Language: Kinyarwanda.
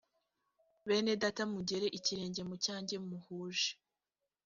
bene data mugere ikirenge mu cyanjye muhuje